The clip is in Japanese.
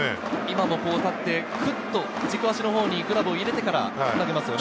立ってクッと軸足のほうにグラブを入れてから投げますよね。